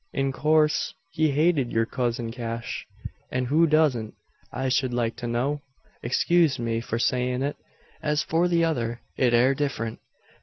In coorse he hated yur cousin Cash an who doesn't, I shed like to know? Excuse me for sayin' it. As for the other, it air different.